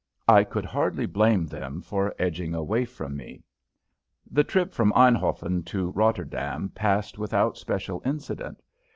I could hardly blame them for edging away from me. The trip from Einhoffen to Rotterdam passed without special incident.